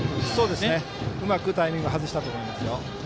うまくタイミングを外したと思います。